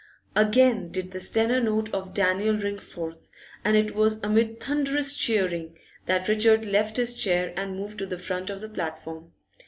Again did the stentor note of Daniel ring forth, and it was amid thunderous cheering that Richard left his chair and moved to the front of the platform.